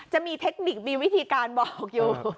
จะมีเทคนิคมีวิธีการบอกอยู่